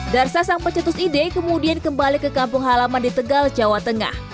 darsa sang pecetus ide kemudian kembali ke kampung halaman di tegal jawa tengah